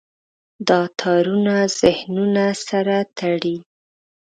دا تارونه ذهنونه سره تړي.